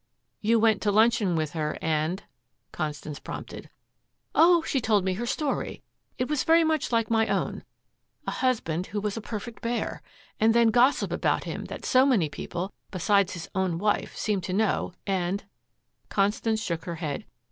"You went to luncheon with her, and " Constance prompted. "Oh, she told me her story. It was very much like my own a husband who was a perfect bear, and then gossip about him that so many people, besides his own wife, seemed to know, and " Constance shook her head.